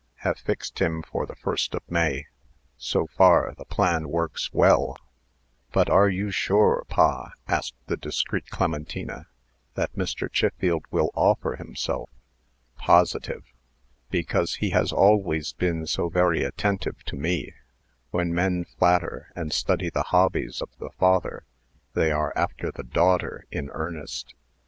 Have fixed him for the 1st of May. So far, the plan works well." "But are you sure, pa," asked the discreet Clementina, "that Mr. Chiffield will offer himself?" "Positive; because he has always been so very attentive to me. When men flatter, and study the hobbies of the father, they are after the daughter in earnest.